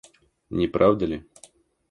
Не правда ли?